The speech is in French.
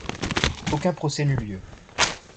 Aucun procès n'eut lieu.